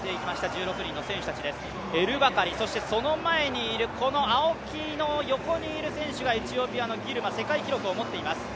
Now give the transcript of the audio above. エルバカリ、そしてその前にいる青木の横にいる選手がエチオピアのギルマ、世界記録を持っています。